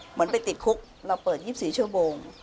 เหมือนไปติดคุกเราเปิด๒๔ชั่วโมง